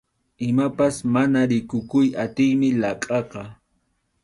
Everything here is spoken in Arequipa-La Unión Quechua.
Imapas mana rikukuy atiymi laqhaqa.